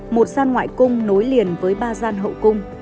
một gian ngoại cung nối liền với ba gian hậu cung